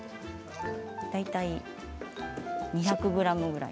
大体２００ｇぐらい。